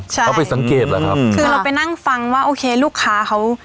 ใช่เขาไปสังเกตแหละครับคือเราไปนั่งฟังว่าโอเคลูกค้าเขา